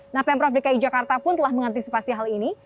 nah pemprov dki jakarta pun telah mengantisipasi hal ini